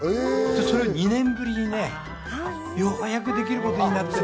それを２年ぶりにようやく出来ることになってね。